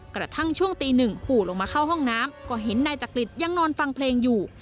กระทั่งช่วงตีหนึ่งปู่ลงมาเข้าห้องน้ำก็เห็นนายจักริตยังนอนฟังเพลงอยู่